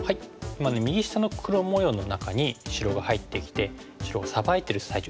右下の黒模様の中に白が入ってきて白がサバいてる最中ですね。